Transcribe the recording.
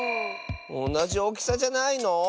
おなじおおきさじゃないの？